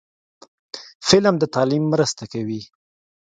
فلم د تعلیم مرسته کوي